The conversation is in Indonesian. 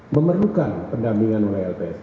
memerlukan pendampingan oleh lpsk